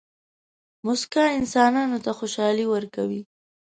موسکا انسانانو ته خوشحالي ورکوي.